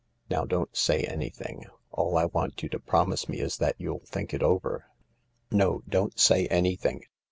Now don't say anything. All I want you to promise me is that you'll think it over. No, don't say anything.